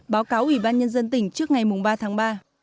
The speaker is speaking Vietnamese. báo cáo ủy ban nhân dân tỉnh trước ngày ba tháng ba